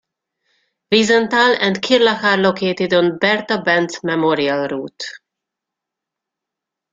Wiesental and Kirrlach are located on Bertha Benz Memorial Route.